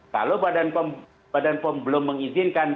kalau badan pom belum mengizinkan